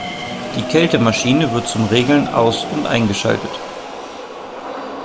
Die Kältemaschine wird zum Regeln aus- und eingeschaltet.